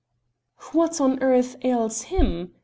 "What on earth ails him?"